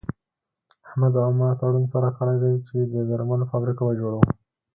احمد او ما تړون سره کړی دی چې د درملو فابريکه به جوړوو.